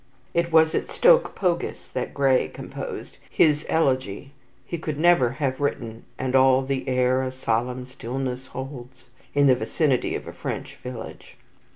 It was at Stoke Pogis that Gray composed his "Elegy." He could never have written "And all the air a solemn stillness holds," in the vicinity of a French village.